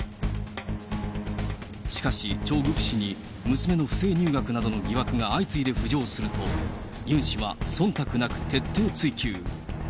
しかしチョ・グク氏に娘の不正入学などの疑惑が相次いで浮上すると、ユン氏はそんたくなく徹底追及。